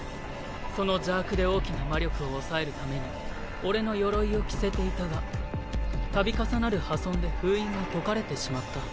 その邪悪で大きな魔力を抑えるために俺の鎧を着せていたが度重なる破損で封印が解かれてしまった。